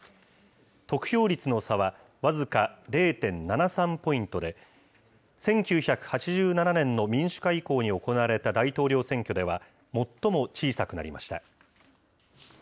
得票率の差は僅か０．７３ポイントで、１９８７年の民主化以降に行われた大統領選挙では、最も小さくなりました。